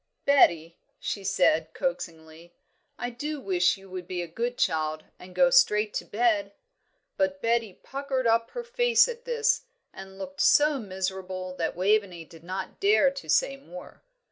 "Betty," she said, coaxingly, "I do wish you would be a good child and go straight to bed." But Betty puckered up her face at this, and looked so miserable that Waveney did not dare to say more.